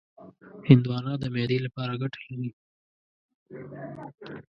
هندوانه د معدې لپاره ګټه لري.